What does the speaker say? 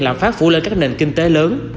làm phát phủ lên các nền kinh tế lớn